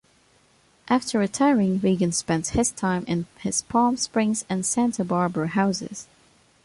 After retiring, Regan spent his time in his Palm Springs and Santa Barbara houses.